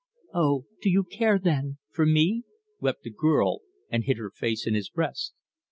"Oh, do you care, then for me?" wept the girl, and hid her face in his breast.